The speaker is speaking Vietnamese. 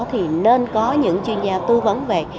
thì nên có những chuyên gia tư vấn về